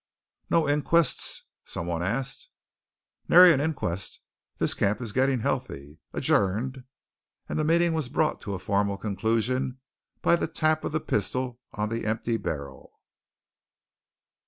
"No inquests?" some one asked. "Nary an inquest. This camp is gettin' healthy. Adjourned!" And the meeting was brought to a formal conclusion by a tap of the pistol on the empty barrel.